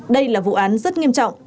đây là vụ án rất nghiêm trọng